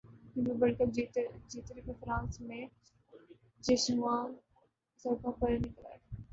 FIFA World cup جیتنے پر France میں جشنعوام سڑکوں پر نکل ائے